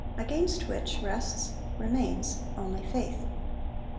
Against which rests [remains] only faith.'